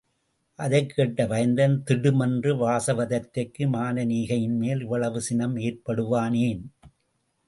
அதைக் கேட்ட வயந்தகன், திடுமென்று வாசவதத்தைக்கு மானனீகையின் மேல் இவ்வளவு சினம் ஏற்படுவானேன்?